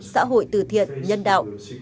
xã hội từ thiện nhân đạo